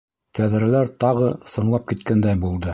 Тәҙрәләр тағы сыңлап киткәндәй булды.